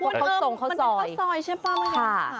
เกิงเป็นข้าวสอยใช่ป่ะ